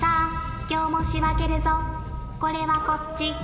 これはこっち。